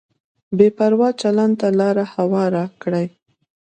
بې پروا چلند ته لار هواره کړي.